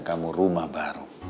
kamu rumah baru